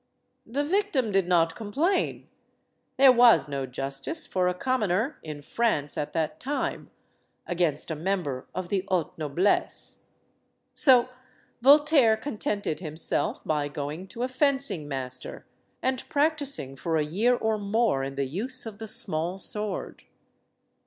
The victim did not complain. There was no justice for a commoner, in France at that time, against a member of the haute noblesse. So Voltaire contented himself by going to a fencing master and practicing for a year or more in the use of the small sword.